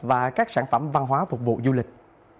và các sản phẩm văn hóa phục vụ du lịch